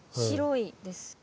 白いです。